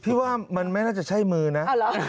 ว่ามันไม่น่าจะใช่มือนะ